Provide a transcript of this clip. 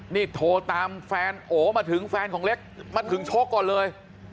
นี่โทรตามแฟนโอมาถึงแฟนของเล็กมาถึงโชคก่อนเลย